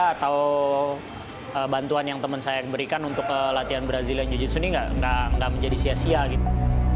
atau bantuan yang teman saya berikan untuk latihan brazilian jiu jitsu ini gak menjadi sia sia gitu